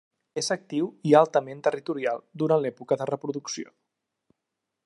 És actiu i altament territorial durant l'època de reproducció.